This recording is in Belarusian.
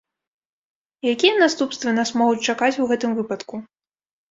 Якія наступствы нас могуць чакаць у гэтым выпадку?